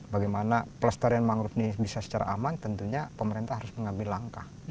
bagaimana pelestarian mangrove ini bisa secara aman tentunya pemerintah harus mengambil langkah